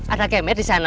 ada kemet disana